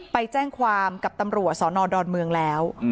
ไปแจ้งความกับตำรัวสอนอดรเมืองแล้วอืม